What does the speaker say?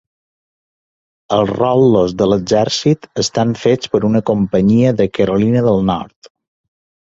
Els rotlles de l'exèrcit estan fets per una companyia de Carolina del Nord.